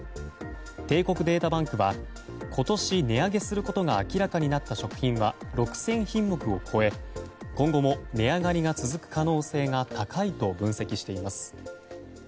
帝国データバンクは今年値上げすることが明らかになった食品は６０００品目を超え今後も値上がりが続く可能性が高いと分析しています。